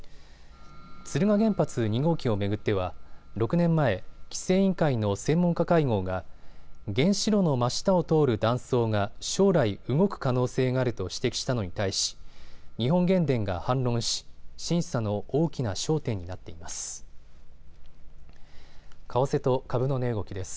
敦賀原発２号機を巡っては６年前、規制委員会の専門家会合が原子炉の真下を通る断層が将来動く可能性があると指摘したのに対し、日本原電が反論し、審査の大きな焦点になっています。